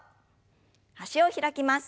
脚を開きます。